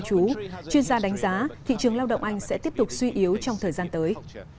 chuyên gia đánh giá thị trường lao động anh sẽ tiếp tục suy yếu trong thời gian tới